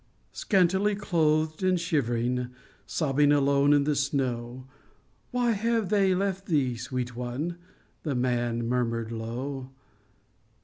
" Scantily clothed and shivering, sobbing alone in the snow, Why have they left thee, sweet one ?" the old man murmured low.